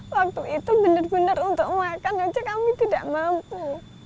waktu itu benar benar untuk makan saja kami tidak mampu